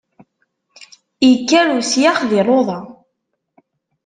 Ikker usyax di luḍa.